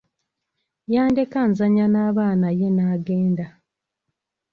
Yandeka nzannya n'abaana ye n'agenda.